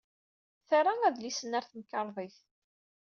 Terra adlis-nni ɣer temkarḍit.